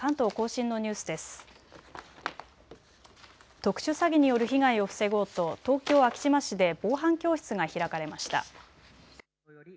特殊詐欺による被害を防ごうと東京昭島市で防犯教室が開かれました。